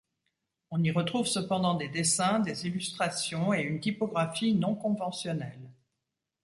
On y retrouve cependant des dessins, des illustrations et une typographie non conventionnelle.